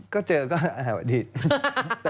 ก็เจอก็หั่วหนู้ปอดภิกษ์